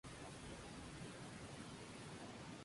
La tradición de la danza’’.